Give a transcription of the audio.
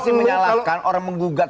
keeee ke permanent